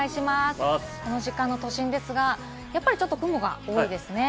この時間の都心ですが、やっぱり雲が多いですね。